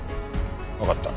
わかった。